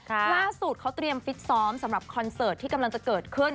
ล่าสุดเขาเตรียมฟิตซ้อมสำหรับคอนเสิร์ตที่กำลังจะเกิดขึ้น